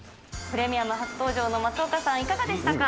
プレミアム初登場の松岡さん、いかがでしたか。